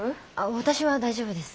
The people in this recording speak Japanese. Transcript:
私は大丈夫です。